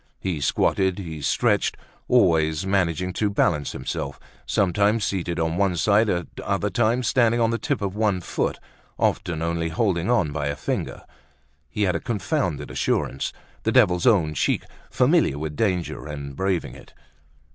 He squatted, he stretched, always managing to balance himself, sometimes seated on one side, at other times standing on the tip of one foot, often only holding on by a finger. He had a confounded assurance, the devil's own cheek, familiar with danger, and braving it.